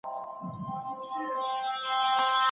رسول الله مسلمانان ځني منع کړي دي.